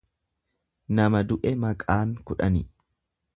Nama du'e maqaan kudhani.